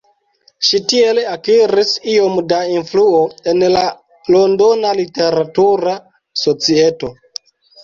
Ŝi tiel akiris iom da influo en la londona literatura societo.